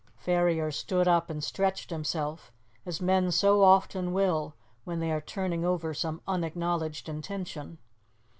Ferrier stood up and stretched himself, as men so often will when they are turning over some unacknowledged intention.